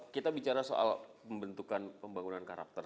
kita bicara soal pembentukan pembangunan karakter